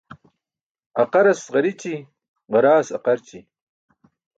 Aqaras ġarici, ġaraas aqarci.